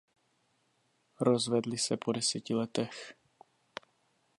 Rozvedli se po deseti letech.